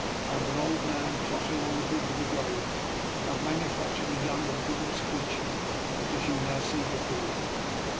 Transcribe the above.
" Out of an old man tottering on the brink of the grave, I have manufactured a young and vigorous creature such as you now see before you.